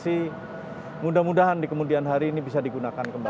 tapi kalau diaktifkan direaktifkan mudah mudahan kemudian hari ini bisa digunakan kembali